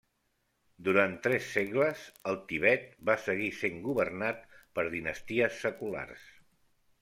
Durant tres segles el Tibet va seguir sent governat per dinasties seculars.